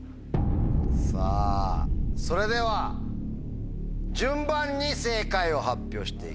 さぁそれでは順番に正解を発表して行きます。